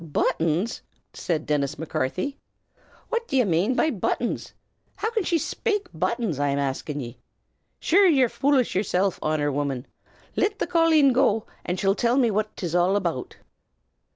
"Buttons!" said Dennis Macarthy; "what do ye mane by buttons? How can she shpake buttons, I'm askin' ye? Sure, ye're foolish yersilf, Honor, woman! Lit the colleen go, an' she'll till me phwhat 'tis all about."